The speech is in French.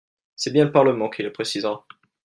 C’est bien le Parlement qui le précisera.